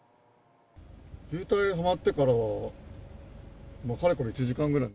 渋滞はまってから、かれこれ１時間くらい。